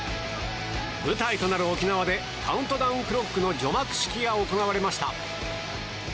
舞台となる沖縄でカウントダウンクロックの除幕式が行われました。